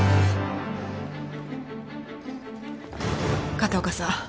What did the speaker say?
片岡さん